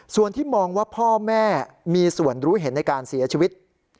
ส่วนที่มองว่าพ่อแม่มีส่วนรู้เห็นในการเสียชีวิต